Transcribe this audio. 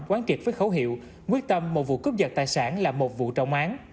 quán triệt với khấu hiệu quyết tâm một vụ cướp giật tài sản là một vụ trọng án